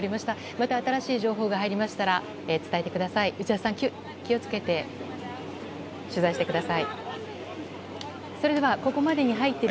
また新しい情報が入りましたら伝えてください。